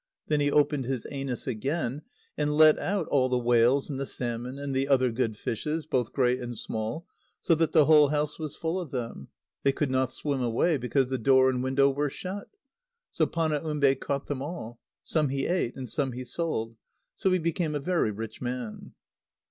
Then he opened his anus again, and let out all the whales and the salmon and the other good fishes, both great and small, so that the whole house was full of them. They could not swim away, because the door and window were shut. So Panaumbe caught them all. Some he ate, and some he sold. So he became a very rich man.